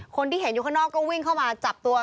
คนที่เห็นอยู่ข้างนอกก็วิ่งเข้ามาจับตัว